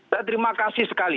terima kasih sekali